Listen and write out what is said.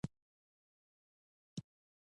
هغه بیرته وطن ته ستون شوی دی.